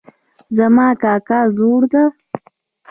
زما کاکا زوړ ده